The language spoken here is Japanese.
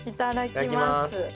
いただきます